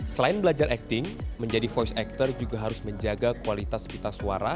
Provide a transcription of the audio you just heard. selain belajar acting menjadi voice actor juga harus menjaga kualitas pita suara